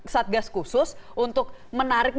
satgas khusus untuk menarik